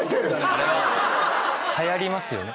あれははやりますよね。